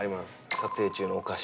撮影中のお菓子。